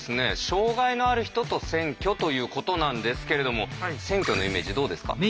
障害のある人と選挙ということなんですけれども選挙のイメージどうですか？